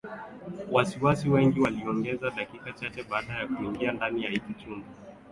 Wasiwasi wangu umeongezeka dakika chache baada ya kuingia ndani ya hiki chumba